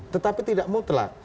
tetapi tidak mutlak